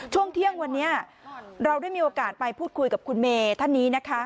ช่วงเที่ยงวันนี้เราได้มีโอกาสไปพูดคุยกับคุณเมย์ท่านนี้นะคะ